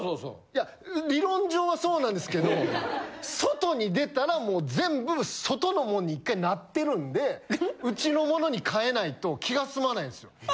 いや理論上はそうなんですけど外に出たらもう全部外のもんに１回なってるんでうちのものに替えないと気が済まないんですよ。